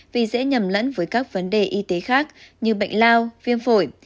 vì dễ nhầm lẫn với các vấn đề y tế khác như bệnh lao viêm phổi